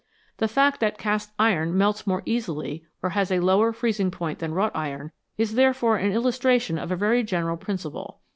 The fact that cast iron melts more easily or has a lower freezing point than wrought iron is therefore an illustration of a very general principle.